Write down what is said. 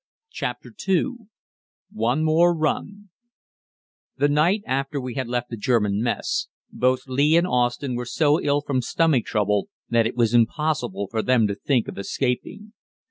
CHAPTER II ONE MORE RUN The night after we had left the German mess, both Lee and Austin were so ill from stomach trouble that it was impossible for them to think of escaping.